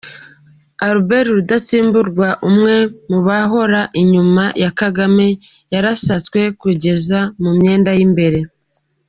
Albert Rudatsimburwa, umwe mu bahora inyuma ya Kagame yarasatswe kugeza mu myenda y’imbere!